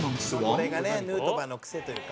「これがねヌートバーの癖というか」